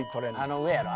あの上やろ？